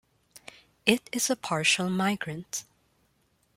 It is a partial migrant.